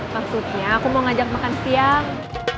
maksudnya aku mau ngajak makan siang